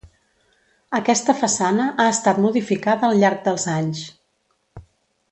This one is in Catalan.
Aquesta façana ha estat modificada al llarg dels anys.